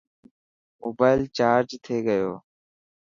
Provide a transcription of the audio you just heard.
موبال چارج ٿي گيو.